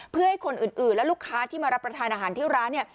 เพื่อให้คนอื่นและลูกค้าที่มารับประทานอาหารที่ร้านเนี่ย